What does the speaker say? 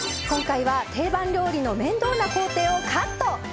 今回は定番料理の面倒な工程をカット。